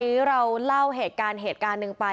นี้เราเล่าเหตุการณ์หนึ่งไป